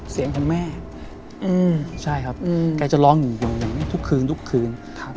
เสียงเป็นแม่อืมใช่ครับอืมแกจะร้องอยู่อย่างเงี้ยทุกคืนทุกคืนค่ะ